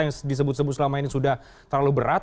atau itu bisa tumbuh selama ini sudah terlalu berat